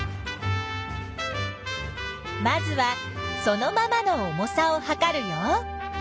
まずはそのままの重さをはかるよ。